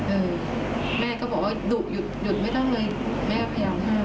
เออแม่ก็บอกว่าดุหยุดหยุดไม่ต้องเลยแม่ก็พยายามห้าม